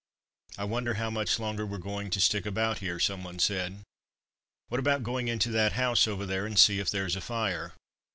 "I wonder how much longer we're going to stick about here" some one said. "What about going into that house over there and see if there's a fire?"